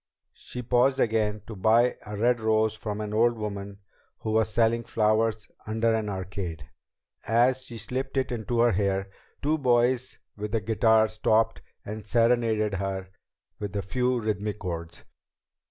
She paused again to buy a red rose from an old woman who was selling flowers under an arcade. As she slipped it into her hair, two boys with a guitar stopped and serenaded her with a few rhythmic chords.